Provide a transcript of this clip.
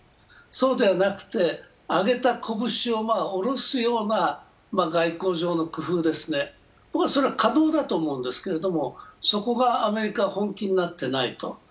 そうではなくて、上げた拳を下ろすような外交上の工夫ですね、僕はそれは可能だと思うんですけれども、そこがアメリカ、本気になっていないと。